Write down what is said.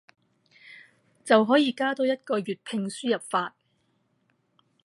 就可以加多一個粵拼輸入法